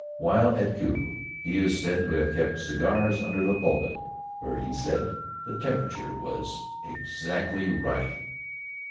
While at Kew he is said to have kept cigars under the pulpit, where, he said, the temperature was exactly right.